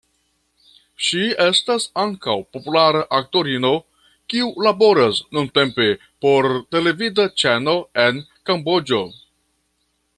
Ŝi estas ankaŭ populara aktorino, kiu laboras nuntempe por televida ĉeno en Kamboĝo.